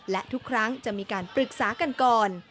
และทุกครั้งจะมีการปรึกษากันก่อน